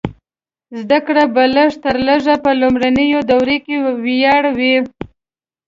زده کړه به لږ تر لږه په لومړنیو دورو کې وړیا وي.